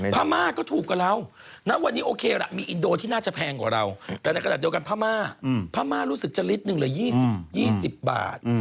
พม่าก็ถูกกว่าเราณวันนี้โอเคล่ะมีอินโดที่น่าจะแพงกว่าเราแต่ในขณะเดียวกันพม่าพม่ารู้สึกจะลิตรหนึ่งเหลือ๒๐บาท